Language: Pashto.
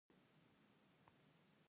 مور یعنی د ژوند سکون او خوشحالي.